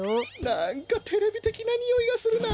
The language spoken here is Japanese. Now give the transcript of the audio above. なんかテレビてきなにおいがするな。